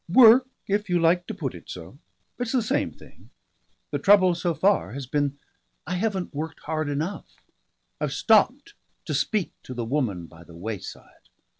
"Work, if you like to put it so; it's the same thing. The trouble so far has been I haven't worked hard enough. I've stopped to speak to the woman by the wayside.